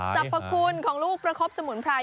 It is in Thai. สรรพคุณของลูกประคบสมุนไพร